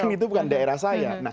itu bukan daerah saya